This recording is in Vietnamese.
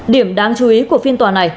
điểm đáng chú ý của phiên tòa này